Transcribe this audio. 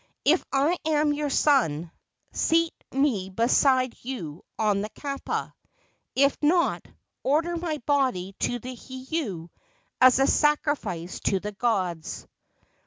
If I am your son, seat me beside you on the kapa; if not, order my body to the heiau as a sacrifice to the gods."